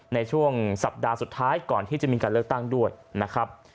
ในช่วงสัปดาห์สุดท้ายก่อนที่จะมีการเลือกตั้งด้วยนะครับ